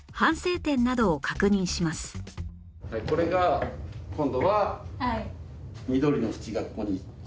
これが今度は緑の縁がここに今回つく。